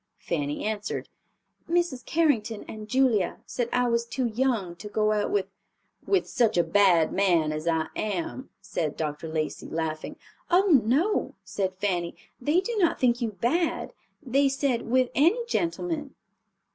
Fanny answered, "Mrs. Carrington and Julia said I was too young to go out with—" "With such a bad man as I am," said Dr. Lacey, laughing. "Oh, no," said Fanny; "they do not think you bad; they said with any gentleman."